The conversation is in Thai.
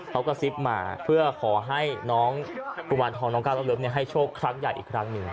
เขากระซิบมาเพื่อขอให้น้องกุมารทองน้องก้าวน้องเลิฟให้โชคครั้งใหญ่อีกครั้งหนึ่ง